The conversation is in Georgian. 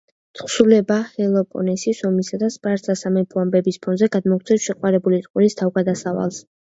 თხზულება პელოპონესის ომისა და სპარსთა სამეფოს ამბების ფონზე გადმოგვცემს შეყვარებული წყვილის თავგადასავალს.